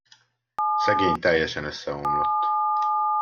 Szegény teljesen összeomlott.